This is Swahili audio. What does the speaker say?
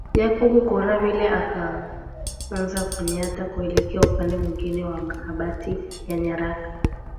Jacob kuona vile akaanza kunyata kuelekea upande mwingine wa makabati ya nyaraka